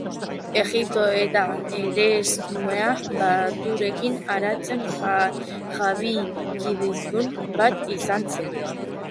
Egipto eta Erresuma Batuaren arteko jabekidetasun bat izan zen.